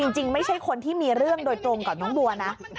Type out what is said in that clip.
จริงไม่ใช่คนที่มีเรื่องโดยตรงกับน้องบัวนะ